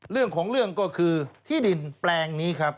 เรื่องของเรื่องก็คือที่ดินแปลงนี้ครับ